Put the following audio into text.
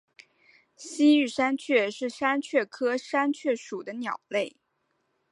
西域山雀为山雀科山雀属的鸟类。